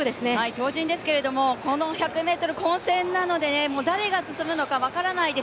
超人ですけど、この１００ｍ混戦なので誰が進むのか分からないです。